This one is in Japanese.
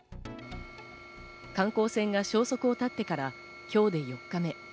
観光船が消息を絶ってから今日で４日目。